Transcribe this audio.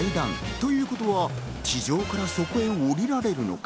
ということは、地上からそこへ降りられるのか。